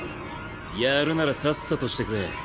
やるならさっさとしてくれ。